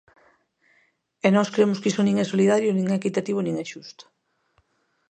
E nós cremos que iso nin é solidario nin é equitativo nin é xusto.